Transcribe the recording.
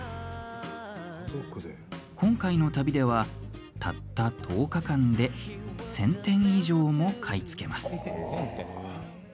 今回の旅では、たった１０日間で１０００点以上も買い付けます。